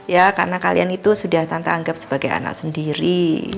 ya karena kalian itu sudah tanpa anggap sebagai anak sendiri